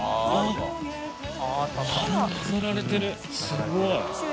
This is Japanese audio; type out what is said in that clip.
すごい。